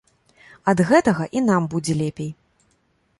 Ад гэтага і нам будзе лепей.